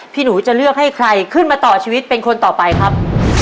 หนูจะเลือกให้ใครขึ้นมาต่อชีวิตเป็นคนต่อไปครับ